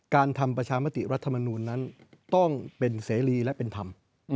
การทำประชามติรัฐมนูลนั้นต้องเป็นเสรีและเป็นธรรม